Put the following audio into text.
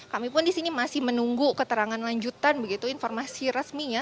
kami pun di sini masih menunggu keterangan lanjutan begitu informasi resminya